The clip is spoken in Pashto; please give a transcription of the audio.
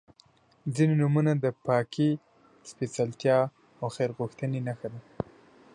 • ځینې نومونه د پاکۍ، سپېڅلتیا او خیر غوښتنې نښه ده.